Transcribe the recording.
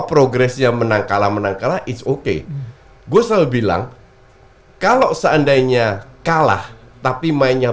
progresnya menang kalah menang kalah ⁇ its ⁇ okay gue selalu bilang kalau seandainya kalah tapi mainnya